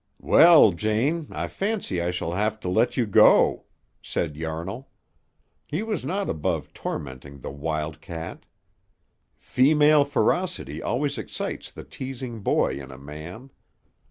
"Well, Jane, I fancy I shall have to let you go," said Yarnall. He was not above tormenting the wild cat. Female ferocity always excites the teasing boy in a man.